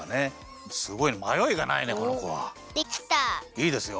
いいですよ。